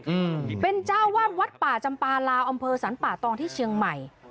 อืมเป็นเจ้าวาดวัดป่าจำปาลาวอำเภอสรรป่าตองที่เชียงใหม่